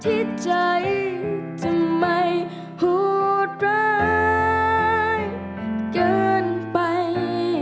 ที่ใจจึงไม่โหดร้ายเกินไป